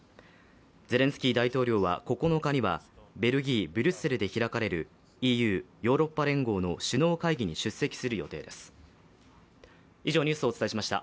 ゼレンスキー大統領は９日にはベルギー・ブリュッセルで開かれるＥＵ＝ヨーロッパ連合の首脳会議に出席する予定です。